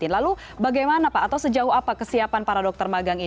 lalu bagaimana pak atau sejauh apa kesiapan para dokter magang ini